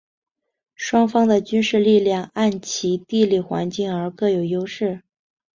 双方的军事力量按其地理环境而各有优势。